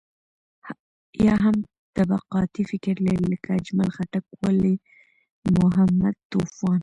يا هم طبقاتي فکر لري لکه اجمل خټک، ولي محمد طوفان.